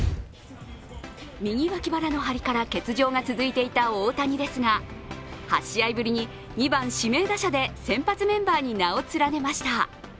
右脇腹の張りから欠場が続いていた大谷ですが８試合ぶりに２番・指名打者で先発メンバーに名を連ねました。